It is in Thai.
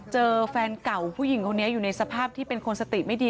เจอแฟนเก่าผู้หญิงคนนี้อยู่ในสภาพที่เป็นคนสติไม่ดี